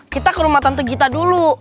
kita ke rumah tante kita dulu